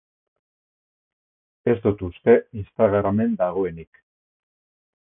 Ez dut uste Instagramen dagoenik.